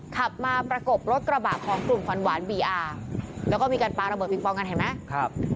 ขับมาประกบรถกระบะของกลุ่มขวัญหวานบีอาร์แล้วก็มีการปาระเบิงปองกันเห็นไหม